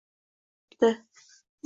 Birov ko‘ribdi: